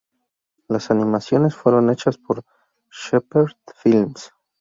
Las animaciones fueron hechas por Shepherd Films.